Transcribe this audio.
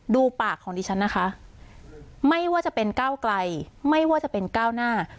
ดูปากของดิฉันนะคะไม่ว่าจะเป็นก้าวไกลไม่ว่าจะเป็นก้าวหน้า